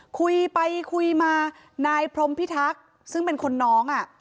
คุยไปคุยมานายพรมพิทักษ์ซึ่งเป็นคนน้อง